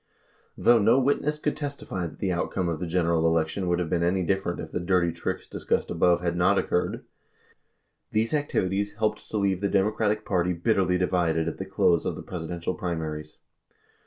86 Though no witness could testify that the outcome of the general election would have been any different if the "dirty tricks" discussed above had not occurred, these activities helped to leave the Democratic Party bitterly divided at the close of the Presidential primaries.